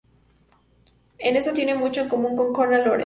En esto tiene mucho en común con Konrad Lorenz.